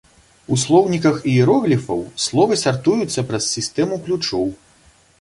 У слоўніках іерогліфаў словы сартуюцца праз сістэму ключоў.